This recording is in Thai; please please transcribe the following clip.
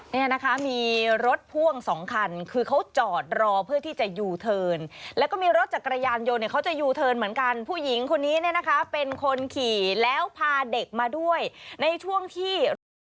เนี่ยนะคะมีรถพ่วงสองคันคือเขาจอดรอเพื่อที่จะยูเทิร์นแล้วก็มีรถจักรยานยนต์เนี่ยเขาจะยูเทิร์นเหมือนกันผู้หญิงคนนี้เนี่ยนะคะเป็นคนขี่แล้วพาเด็กมาด้วยในช่วงที่รถ